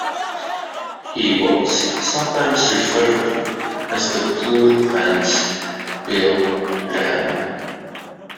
He was sometimes referred to as the poor man's Bill Graham.